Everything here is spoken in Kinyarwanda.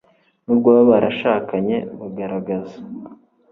n'ubwo baba barashakanye bagaragaza